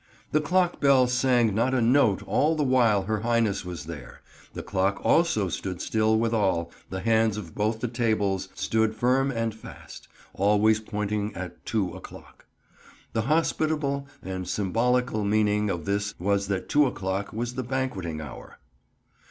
"The Clok Bell sang not a Note all the while her Highness waz thear: the Clok also stood still withall, the handz of both the tablz stood firm and fast, allweys pointing at two a Clok." The hospitable and symbolical meaning of this was that two o'clock was the banqueting hour.